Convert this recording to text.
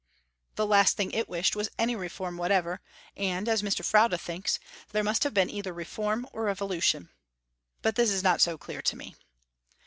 The last thing it wished was any reform whatever; and, as Mr. Froude thinks, there must have been either reform or revolution. But this is not so clear to me.